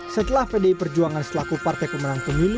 setelah pdi perjuangan selaku partai pemenang pemilu